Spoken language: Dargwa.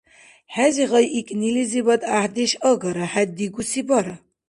Хӏези гъайикӏнилизибад гӏяхӏдеш агара. Хӏед дигуси бара...